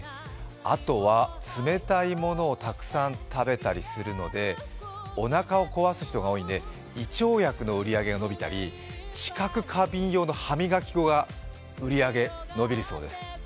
あとは、冷たいものをたくさん食べたりするので、おなかをこわす人が多いので胃腸薬の売り上げが伸びたり知覚過敏用の歯磨き粉が売り上げ伸びるそうです。